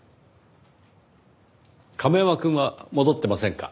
亀山くんは戻ってませんか？